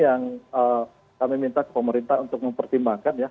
yang kami minta ke pemerintah untuk mempertimbangkan ya